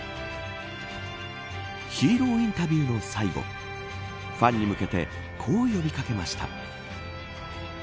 ヒーローインタビューの最後ファンに向けてこう呼び掛けました。